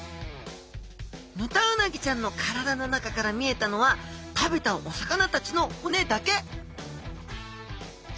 ヌタウナギちゃんの体の中から見えたのは食べたお魚たちの骨だけ！